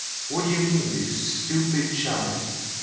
What do you mean, you stupid child?